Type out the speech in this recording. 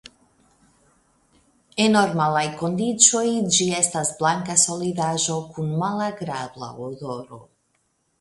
En normalaj kondiĉoj ĝi estas blanka solidaĵo kun malagrabla odoro.